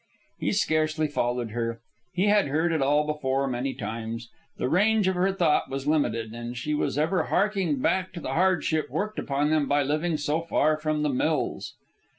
He scarcely followed her. He had heard it all before, many times. The range of her thought was limited, and she was ever harking back to the hardship worked upon them by living so far from the mills.